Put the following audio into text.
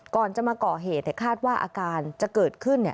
ก่อนจะมาก่อเหตุคาดว่าอาการจะเกิดขึ้น